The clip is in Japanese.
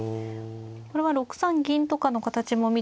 これは６三銀とかの形も見ているんですか。